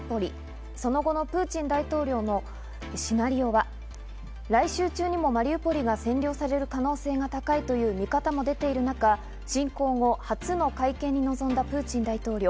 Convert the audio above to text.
陥落寸前のマリウポリ、その後のプーチン大統領のシナリオが、来週中にもマリウポリが占領される可能性が高いという見方も出ている中、侵攻後初の会見に臨んだプーチン大統領。